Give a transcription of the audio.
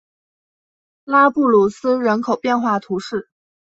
拉布鲁斯人口变化图示